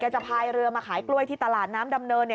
จะพายเรือมาขายกล้วยที่ตลาดน้ำดำเนิน